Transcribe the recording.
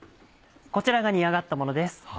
こちらが煮上がったものです。